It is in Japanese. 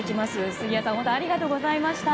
杉谷さんありがとうございました。